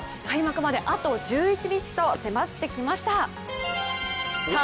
開幕まであと１１日と迫ってきました。